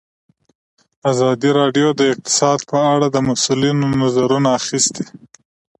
ازادي راډیو د اقتصاد په اړه د مسؤلینو نظرونه اخیستي.